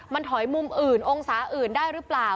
มันถอยมุมอื่นองศาอื่นได้หรือเปล่า